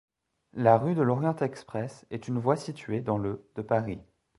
La rue de l'Orient-Express est une voie située dans le de Paris.